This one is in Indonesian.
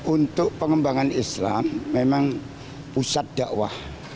untuk pengembangan islam memang pusat dakwah